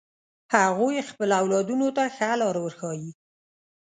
هغوی خپل اولادونو ته ښه لار ورښایی